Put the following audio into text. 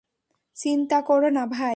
চিন্তা করো না, ভাই।